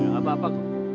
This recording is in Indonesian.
gak ada apa apa